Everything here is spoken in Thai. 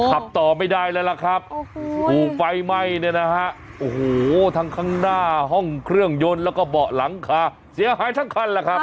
ขับต่อไม่ได้แล้วล่ะครับถูกไฟไหม้เนี่ยนะฮะโอ้โหทั้งข้างหน้าห้องเครื่องยนต์แล้วก็เบาะหลังคาเสียหายทั้งคันแหละครับ